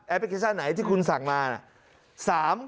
พลิเคชันไหนที่คุณสั่งมานะ